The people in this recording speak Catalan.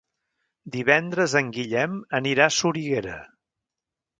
Divendres en Guillem anirà a Soriguera.